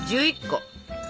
１１個。